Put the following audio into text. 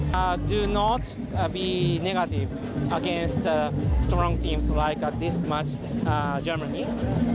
ไม่ต้องเป็นแน็กาติภาพกับทีมสุดท้ายอย่างเมืองเยียมนี้